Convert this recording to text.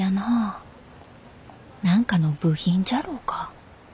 何かの部品じゃろうか？